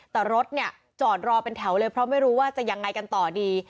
แต่รถเนี่ยจอดรอเป็นแถวเลยเพราะไม่รู้ว่าจะยังไงกันต่อดี